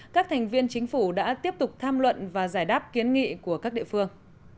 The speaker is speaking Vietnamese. các thành viên chính phủ đã tiếp tục tham luận và giải đáp kiến nghị của các địa phương